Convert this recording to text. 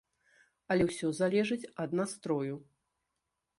Але ўсё залежыць ад настрою.